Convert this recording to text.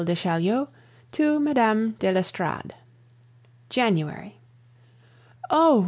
DE CHAULIEU TO MME. DE L'ESTORADE January. Oh!